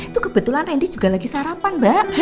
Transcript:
itu kebetulan randy juga lagi sarapan mbak